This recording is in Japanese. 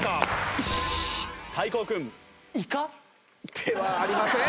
ではありません！